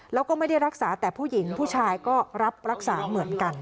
แล้วก็ไม่ได้รักษาแต่ผู้หญิงผู้ชายก็รับรักษาเหมือนกัน